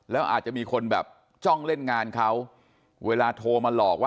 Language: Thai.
แล้วอาจจะมีคนแบบจ้องเล่นงานเขาเวลาโทรมาหลอกว่า